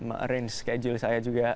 arrange schedule saya juga